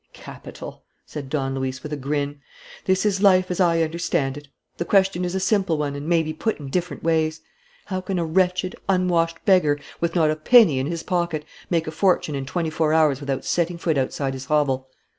"Capital!" said Don Luis, with a grin. "This is life as I understand it. The question is a simple one and may be put in different ways. How can a wretched, unwashed beggar, with not a penny in his pocket, make a fortune in twenty four hours without setting foot outside his hovel?